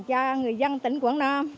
cho người dân tỉnh quảng nam